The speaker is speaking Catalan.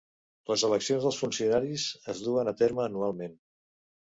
Les eleccions dels funcionaris es duen a terme anualment.